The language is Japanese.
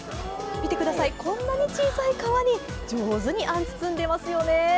見てください、こんなに小さい皮に上手にあんを包んでいますよね。